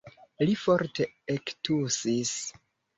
Li forte ektusis.